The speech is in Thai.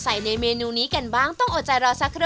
ในเมนูนี้กันบ้างต้องอดใจรอสักครู่